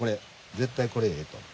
絶対これええと思う。